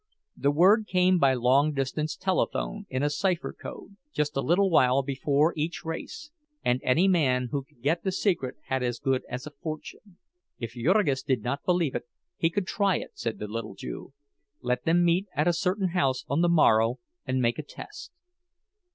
The word came by long distance telephone in a cipher code, just a little while before each race; and any man who could get the secret had as good as a fortune. If Jurgis did not believe it, he could try it, said the little Jew—let them meet at a certain house on the morrow and make a test.